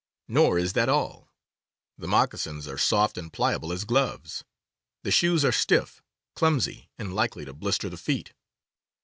Nor is that all. The moccasins are soft and pliable as gloves; the shoes are stiff, clumsy, and likely to blister the feet.